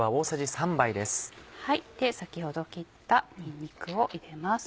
先ほど切ったにんにくを入れます。